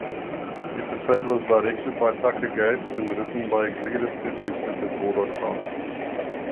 The episode was directed by Tucker Gates and written by executive producer Debora Cahn.